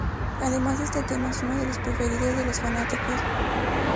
Además este tema es uno de los preferidos de los fanáticos.